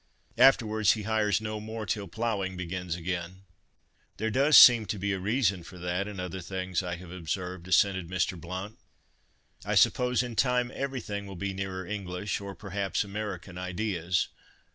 Afterwards he hires no more till ploughing begins again." "There does seem to be a reason for that, and other things I have observed," assented Mr. Blount. "I suppose in time everything will be nearer English, or perhaps American ideas.